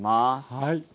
はい。